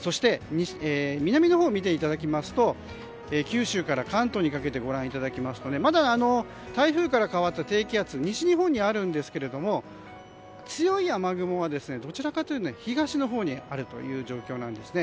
そして南のほうを見ていただくと九州から関東にかけてご覧いただきますとまだ台風から変わった低気圧西日本にあるんですが強い雨雲がどちらかというと東のほうにあるという状況なんですね。